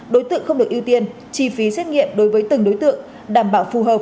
đối tượng không được ưu tiên chi phí xét nghiệm đối với từng đối tượng đảm bảo phù hợp